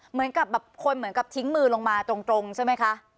เหมือนกับแบบคนเหมือนกับทิ้งมือลงมาตรงใช่ไหมคะ